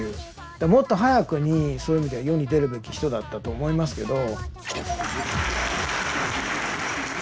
もっと早くにそういう意味では世に出るべき人だったと思いますけど。